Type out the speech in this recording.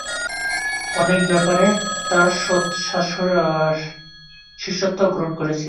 অনেক ব্যাপারে তার শিষ্যত্বও গ্রহণ করেছি।